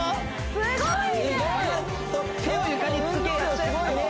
すごいね！